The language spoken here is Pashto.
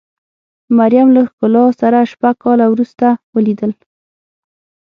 مریم له ښکلا سره شپږ کاله وروسته ولیدل.